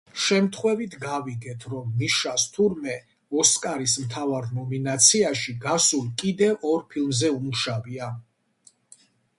შემთხვევით გავიგეთ, რომ მიშას თურმე, „ოსკარის“ მთავარ ნომინაციაში გასულ კიდევ ორ ფილმზე უმუშავია.